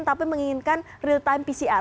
tapi menginginkan real time pcr